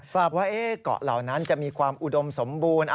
ว่าเกาะเหล่านั้นจะมีความอุดมสมบูรณ์